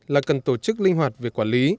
là cần tổ chức linh hoạt việc quản lý